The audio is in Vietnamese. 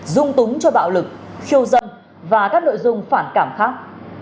dung túng cho bạo lực khiêu dâm và các nội dung phản cảm khác